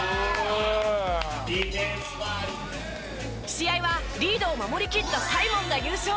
試合はリードを守りきったＳＩＭＯＮが優勝。